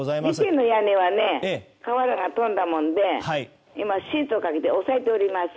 店の屋根は瓦が飛んだもんで今、シートをかけて押さえております。